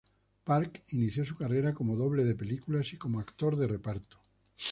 Park inició su carrera como doble de películas y como actor de reparto.